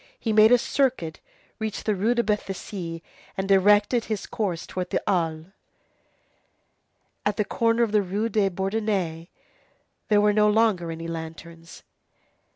He made a circuit, reached the Rue de Béthisy, and directed his course towards the Halles. At the corner of the Rue des Bourdonnais, there were no longer any lanterns.